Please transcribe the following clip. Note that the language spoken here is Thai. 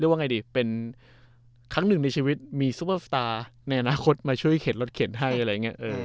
วันนึงในชีวิตมีซูเปอร์สตาร์มาช่วยเข็นรถข่าว